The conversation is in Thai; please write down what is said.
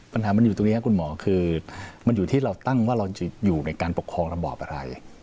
ปัญหามันอยู่ตรงนี้ครับคุณหมอคือมันอยู่ที่เราตั้งว่าเราจะอยู่ในการปกครองระบอบอะไร